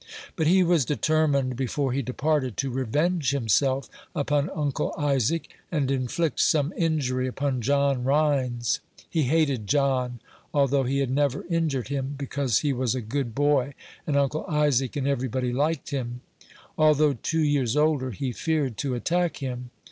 But he was determined, before he departed, to revenge himself upon Uncle Isaac, and inflict some injury upon John Rhines. He hated John, although he had never injured him, because he was a good boy, and Uncle Isaac and everybody liked him. Although two years older, he feared to attack him.